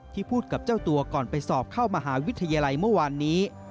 พูดกับเจ้าตัวก่อนไปสอบเข้ามหาวิทยาลัยเมื่อวานนี้